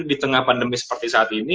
di tengah pandemi seperti saat ini